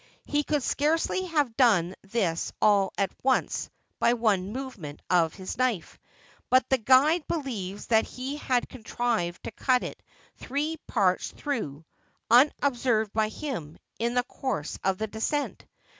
He could scarcely have done this all at once by one movement of his knife ; but the guide believes that he had contrived to cut it three parts through, un observed by him, in the course of the descent.